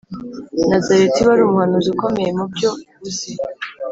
Nazareti wari umuhanuzi ukomeye mu byo uzi